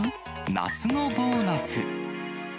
夏のボーナス。